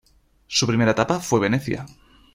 Su primera etapa fue Venecia.